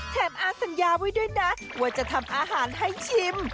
อาสัญญาไว้ด้วยนะว่าจะทำอาหารให้ชิม